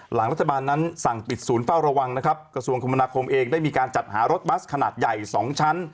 หลังรัฐบาลนั้นสั่งปิดศูนย์เฝ้าระวังนะครับกระทรวงคมนาคมเองได้มีการจัดหารถบัสขนาดใหญ่๒ชั้น